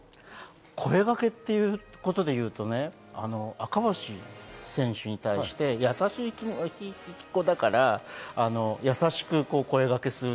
声かけでいうと赤星選手に対して、優しい子だから、優しく声掛けする。